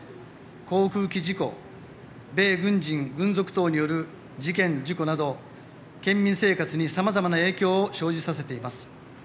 航空機事故米軍人・軍属等による事件・事故など県民生活に様々な影響を生じさせています。